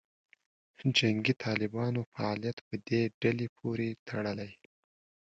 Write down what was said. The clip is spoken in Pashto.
جنګي طالبانو فعالیت په دې ډلې پورې تړلې.